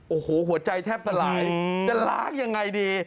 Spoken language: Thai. โอ้โหหัวใจแทบสลายจะล้างยังไงดี